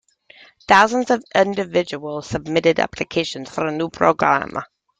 Thousands of individuals submitted applications for the new program.